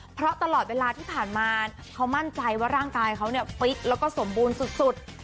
เพราะตลอดเวลาที่ผ่านมาเขามั่นใจว่าร่างกายเขาเนี่ยฟิตแล้วก็สมบูรณ์สุด